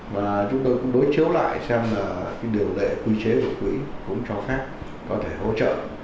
và chúng tôi cũng đối chiếu lại xem là điều lệ quy chế của quỹ cũng cho phép có thể hỗ trợ